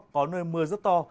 có nơi mưa rất to